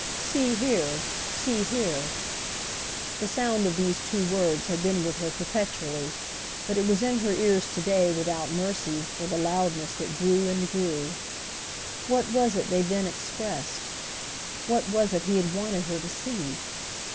"See here—see here!"—the sound of these two words had been with her perpetually; but it was in her ears to day without mercy, with a loudness that grew and grew. What was it they then expressed? what was it he had wanted her to see?